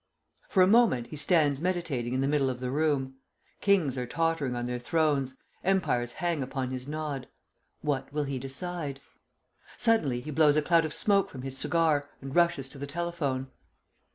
For a moment he stands meditating in the middle of the room. Kings are tottering on their thrones. Empires hang upon his nod. What will he decide? Suddenly he blows a cloud of smoke from his cigar, and rushes to the telephone.